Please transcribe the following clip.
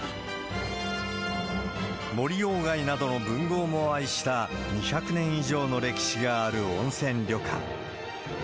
森鴎外などの文豪も愛した、２００年以上の歴史がある温泉旅館。